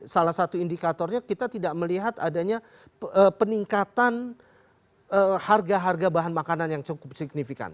salah satu indikatornya kita tidak melihat adanya peningkatan harga harga bahan makanan yang cukup signifikan